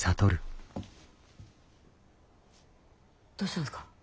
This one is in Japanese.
どうしたんですか？